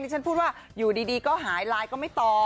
ฉันพูดว่าอยู่ดีก็หายไลน์ก็ไม่ตอบ